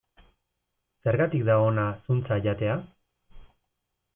Zergatik da ona zuntza jatea?